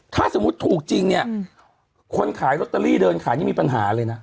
ถ้าสมมุติถูกจริงเนี่ยคนขายลอตเตอรี่เดินขายนี่มีปัญหาเลยนะ